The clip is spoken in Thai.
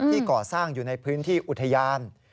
ก่อสร้างอยู่ในพื้นที่อุทยาน